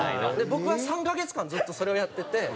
僕は３カ月間ずっとそれをやってて。